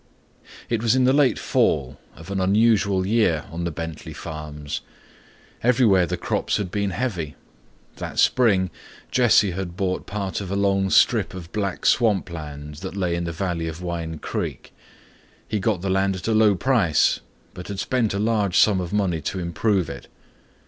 It was in the late fall of an unusual year on the Bentley farms. Everywhere the crops had been heavy. That spring, Jesse had bought part of a long strip of black swamp land that lay in the valley of Wine Creek. He got the land at a low price but had spent a large sum of money to improve it.